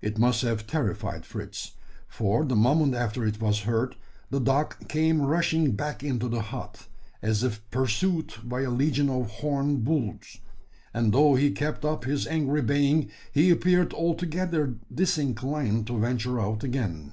It must have terrified Fritz: for the moment after it was heard, the dog came rushing back into the hut, as if pursued by a legion of horned bulls; and, though he kept up his angry baying, he appeared altogether disinclined to venture out again.